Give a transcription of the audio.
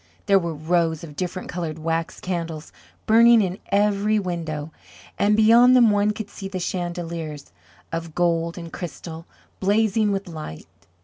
There were rows of different coloured wax candles burning in every window, and beyond them one could see the chandeliers of gold and crystal blazing with light.